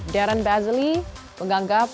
darren bazley menganggap